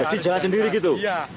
berarti jalan sendiri gitu